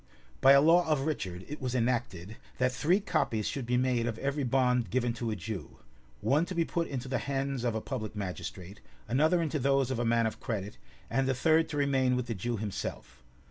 By a law of Richard, it was enacted, that three copies should be made of every bond given to a Jew; one to be put into the hands of a public magistrate, another into those of a man of credit, and a third to remain with the Jew himself.